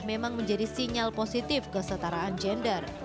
memang menjadi sinyal positif kesetaraan gender